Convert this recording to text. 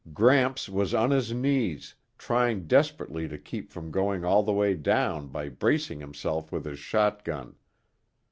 Gramps was on his knees, trying desperately to keep from going all the way down by bracing himself with his shotgun.